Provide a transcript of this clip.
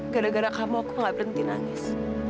gara gara kamu kok gak berhenti nangis